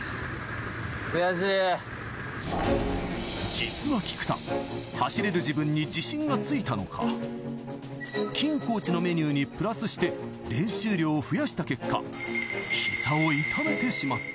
実は菊田走れる自分に自信がついたのか金コーチのメニューにプラスして練習量を増やした結果膝を痛めてしまった。